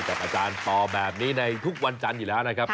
กับอาจารย์ปอแบบนี้ในทุกวันจันทร์อยู่แล้วนะครับ